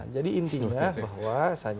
jadi intinya bahwa